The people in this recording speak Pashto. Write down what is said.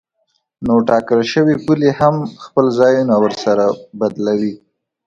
نو ټاکل شوې پولې هم خپل ځایونه ورسره بدلوي.